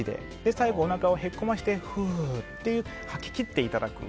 最後おなかをへこましてふーっと吐ききっていただく。